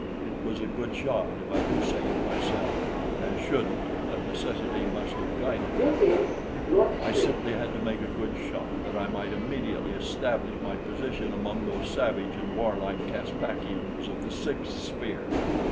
It was a good shot if I do say it myself, "as shouldn't" but necessity must have guided that bullet; I simply had to make a good shot, that I might immediately establish my position among those savage and warlike Caspakians of the sixth sphere.